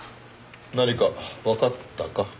何かわかったか？